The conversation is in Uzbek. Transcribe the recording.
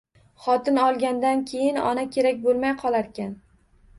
Xotin olgandan keyin ona kerak bo‘lmay qolarkan.